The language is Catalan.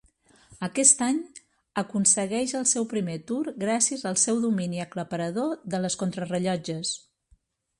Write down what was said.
Aquest any aconsegueix el seu primer Tour gràcies al seu domini aclaparador de les contrarellotges.